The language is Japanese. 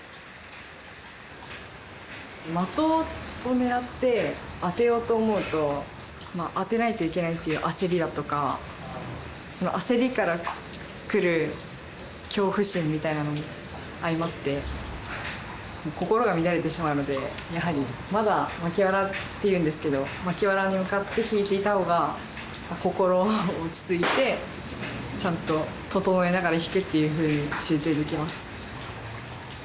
的を狙って当てようと思うと当てないといけないという焦りだとかその焦りから来る恐怖心みたいなのも相まって心が乱れてしまうのでやはりまだ巻藁っていうんですけど巻藁に向かって引いていた方が心落ち着いてちゃんと整えながら引くっていうふうに集中できます。